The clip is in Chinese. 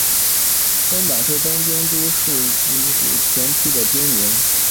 宫坂是东京都世田谷区的町名。